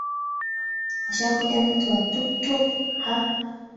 Ashakuja mtu wa tuktuk? Ah!